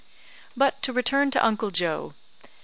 But to return to Uncle Joe.